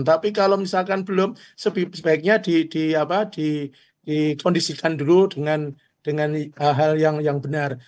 tapi kalau misalkan belum sebaiknya dikondisikan dulu dengan hal hal yang benar